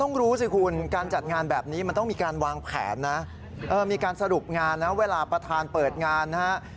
ตอนเปิดพิธีเปิดงานขอเปิดงาน